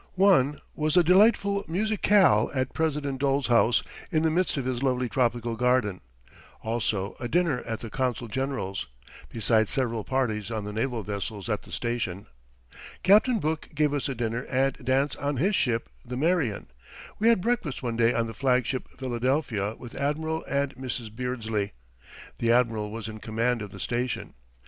One was a delightful musicale at President Dole's house, in the midst of his lovely tropical garden; also a dinner at the Consul General's, besides several parties on the naval vessels at the station. Captain Book gave us a dinner and dance on his ship, the Marian. We had breakfast one day on the flagship Philadelphia with Admiral and Mrs. Beardsley the Admiral was in command of the station.